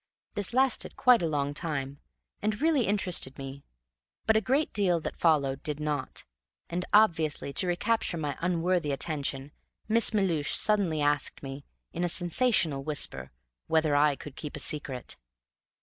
This lasted quite a long time, and really interested me; but a great deal that followed did not, and, obviously to recapture my unworthy attention, Miss Melhuish suddenly asked me, in a sensational whisper, whether I could keep a secret.